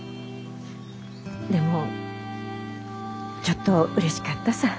でもちょっとうれしかったさぁ。